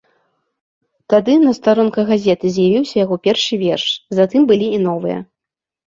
Тады на старонках газеты з'явіўся яго першы верш, затым былі і новыя.